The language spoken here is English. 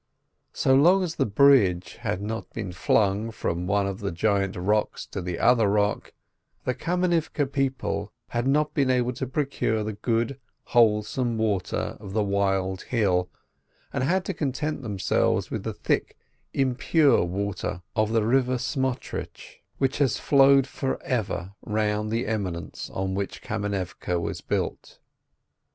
So long as the bridge had not been flung from one of the giant rocks to the other rock, the Kamenivke people had not been able to procure the good, wholesome water of the wild hill, and had to content themselves with the thick, impure water of the river Smotritch, which has flowed forever round' the eminence on which Kamenivke is built.